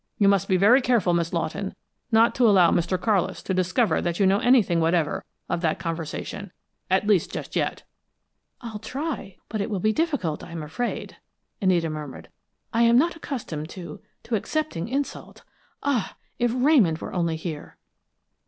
"You must be very careful, Miss Lawton, not to allow Mr. Carlis to discover that you know anything whatever of that conversation at least just yet." "I'll try, but it will be difficult, I am afraid," Anita murmured. "I am not accustomed to to accepting insults. Ah! if Ramon were only here!"